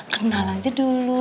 kenal aja dulu